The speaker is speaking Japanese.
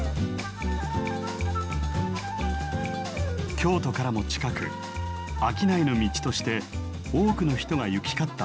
京都からも近く商いの道として多くの人が行き交った場所です。